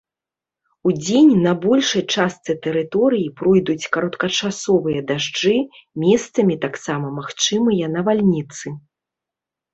Удзень на большай частцы тэрыторыі пройдуць кароткачасовыя дажджы, месцамі таксама магчымыя навальніцы.